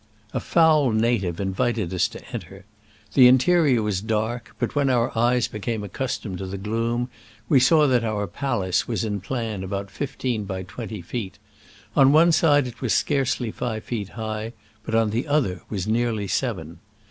A foul native invited us to enter. The interior was dark, but when our eyes became accustomed to the gloom we saw that our palace was in plan about fifteen by twenty feet: on one side it was scarcely five feet high, but on the other was nearly seven.